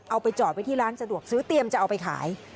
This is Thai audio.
เอาไปจอดไว้ที่ร้านสะดวกซื้อเตรียมจะเอาไปขาย